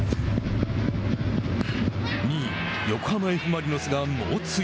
２位横浜Ｆ・マリノスが猛追。